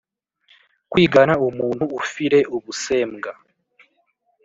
kwigana umuntu ufire ubusembwa;